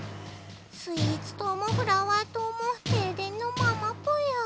スイーツ島もフラワー島もてい電のままぽよ。